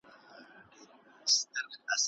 د وږیو تږیو هېوادوالو وچو شونډو باندې